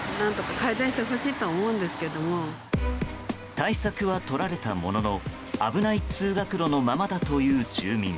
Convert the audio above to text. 対策は取られたものの危ない通学路のままだという住民。